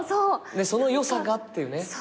その良さがっていうね。